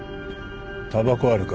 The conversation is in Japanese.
たばこあるか？